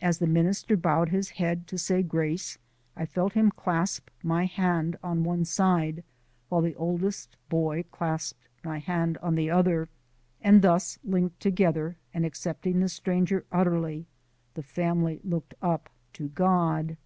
As the minister bowed his head to say grace I felt him clasp my hand on one side while the oldest boy clasped my hand on the other, and thus, linked together, and accepting the stranger utterly, the family looked up to God.